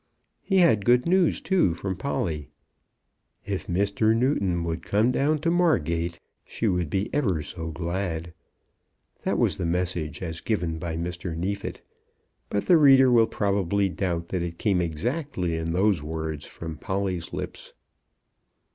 He had good news, too, from Polly. "If Mr. Newton would come down to Margate, she would be ever so glad." That was the message as given by Mr. Neefit, but the reader will probably doubt that it came exactly in those words from Polly's lips.